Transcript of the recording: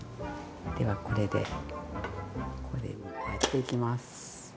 ではこれでこれにやっていきます。